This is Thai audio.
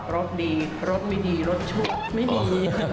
รสดีรสไม่ดีรสชุบไม่มี